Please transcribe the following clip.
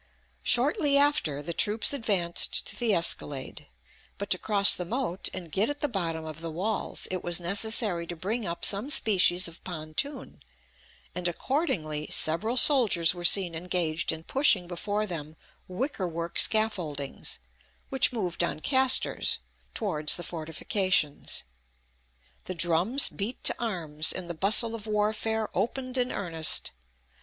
Shortly after, the troops advanced to the escalade; but to cross the moat, and get at the bottom of the walls, it was necessary to bring up some species of pontoon, and, accordingly, several soldiers were seen engaged in pushing before them wicker work scaffoldings, which moved on castors, towards the fortifications. The drums beat to arms, and the bustle of warfare opened in earnest.